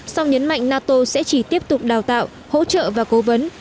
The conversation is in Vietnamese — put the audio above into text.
song nhấn mạnh nato sẽ chỉ tiếp tục đào tạo hỗ trợ và cố vấn